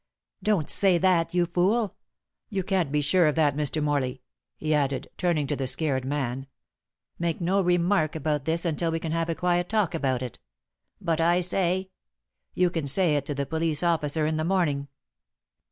"Don't say that, you fool. You can't be sure of that, Mr. Morley," he added, turning to the scared man. "Make no remark about this until we can have a quiet talk about it." "But I say " "You can say it to the police officer in the morning."